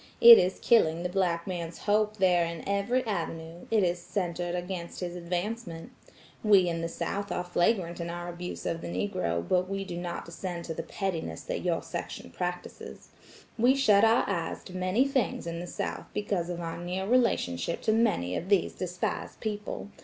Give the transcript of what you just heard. It is killing the black man's hope there in every avenue; it is centered against his advancement. We in the South are flagrant in our abuse of the Negro but we do not descend to the pettiness that your section practices. We shut our eyes to many things in the South because of our near relationship to many of these despised people.